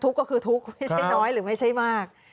ทุกข์ก็คือทุกข์ไม่ใช่น้อยหรือไม่ใช่มาก